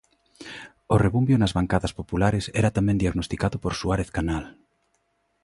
O rebumbio nas bancadas populares era tamén diagnosticado por Suárez Canal.